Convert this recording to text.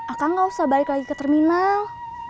akan gak usah balik lagi ke terminal